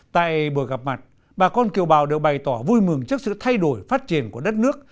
tại buổi gặp mặt bà con kiều bào đều bày tỏ vui mừng trước sự thay đổi phát triển của đất nước